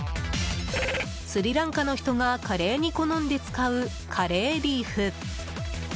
スリランカの人がカレーに好んで使うカレーリーフ。